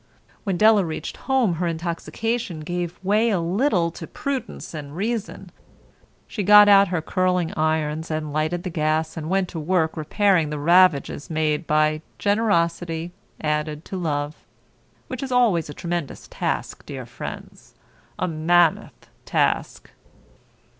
When Della reached home her intoxication gave way a little to prudence and reason. She got out her curling irons and lighted the gas and went to work repairing the ravages made by generosity added to love. Which is always a tremendous task, dear friends—a mammoth task.